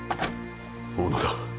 小野田！！